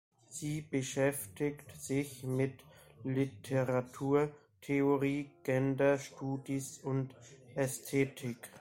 Sie beschäftigt sich mit Literaturtheorie, Gender Studies und Ästhetik.